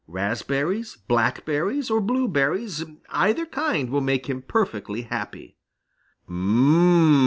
Raspberries, blackberries, or blueberries, either kind, will make him perfectly happy.